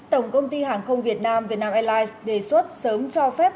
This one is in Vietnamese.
tổng công ty hàng không việt nam vietnam airlines đề xuất sớm cho phép